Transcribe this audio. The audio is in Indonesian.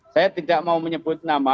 saya tidak mau menyebut nama